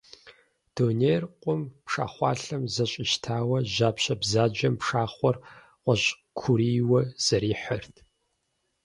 Дунейр къум пшахъуалъэм зэщӀищтауэ, жьапщэ бзаджэм пшахъуэр гъуэжькурийуэ зэрихьэрт.